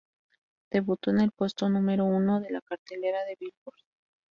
Debutó en el puesto número uno de la cartelera de Billboard.